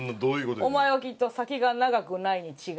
「お前は、きっと、先が長くないにちがいない」